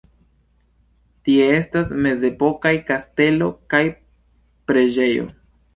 Tie estas mezepokaj kastelo kaj preĝejo.